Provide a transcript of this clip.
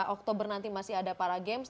oktober nanti masih ada para games